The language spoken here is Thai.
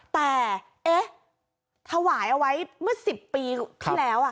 แต่เอ๊ะถวายเอาไว้เมื่อ๑๐ปีที่แล้ว